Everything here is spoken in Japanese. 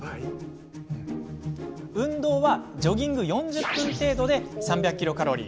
運動はジョギング４０分程度で３００ｋｃａｌ。